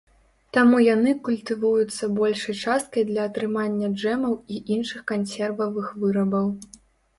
Таму яны культывуюцца большай часткай для атрымання джэмаў і іншых кансервавых вырабаў.